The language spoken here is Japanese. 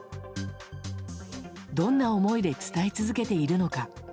どんな思いで伝え続けているのか。